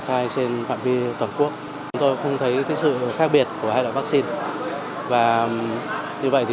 khai trên toàn quốc chúng tôi không thấy sự khác biệt của hai loại vaccine và như vậy thì